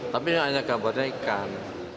tapi hanya gambarnya ikan